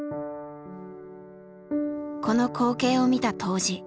この光景を見た杜氏。